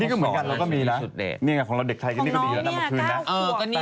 นี่ก็เหมือนกันเราก็มีนะนี่ไงของเราเด็กไทยกันนี่ก็ดีแล้วนะเมื่อคืนนะ